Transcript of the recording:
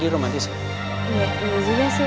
lo hapus diman